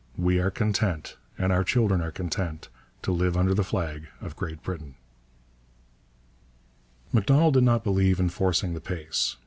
We are content, and our children are content, to live under the flag of Great Britain.' Macdonald did not believe in forcing the pace.